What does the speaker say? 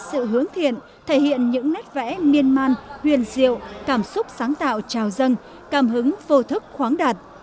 nét chung là hướng thiện thể hiện những nét vẽ miên man huyền diệu cảm xúc sáng tạo trào dân cảm hứng vô thức khoáng đạt